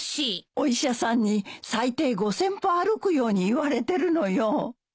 お医者さんに最低５，０００歩歩くように言われてるのよ。